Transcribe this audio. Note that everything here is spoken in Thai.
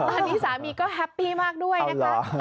ตอนนี้สามีก็แฮปปี้มากด้วยนะคะ